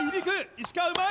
石川うまい！